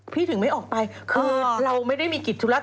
ถึงไม่ออกไปคือเราไม่ได้มีกิจธุระ